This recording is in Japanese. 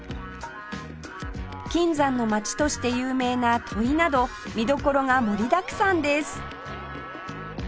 金山の街として有名な土肥など見どころが盛りだくさんです